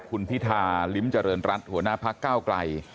คุณพิธาลิ้มเจริญรัฐหัวหน้าพักก้าวไกล